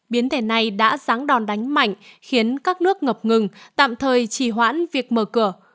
biến thể này đã ráng đòn đánh mạnh khiến các nước ngập ngừng tạm thời chỉ hoãn việc mở cửa